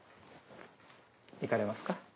行かれますか？